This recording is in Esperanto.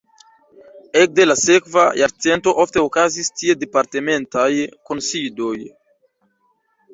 Ekde la sekva jarcento ofte okazis tie departementaj kunsidoj.